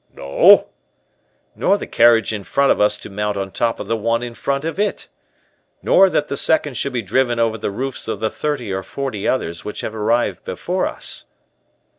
"No." "Nor the carriage in front of us to mount on top of the one in front of it. Nor that the second should be driven over the roofs of the thirty or forty others which have arrived before us."